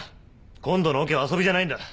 今度のオケは遊びじゃないんだ。